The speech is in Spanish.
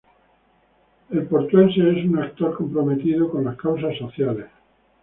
El portuense es un actor comprometido con las causas sociales.